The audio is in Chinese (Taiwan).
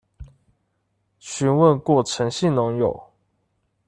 詢問過陳姓農友